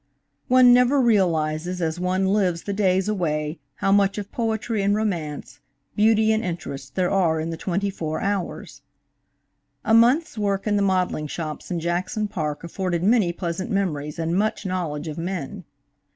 ONE never realizes as one lives the days away how much of poetry and romance, beauty and interest, there are in the twenty four hours. A month's work in the modeling shops in Jackson Park afforded many pleasant memories and much knowledge of men.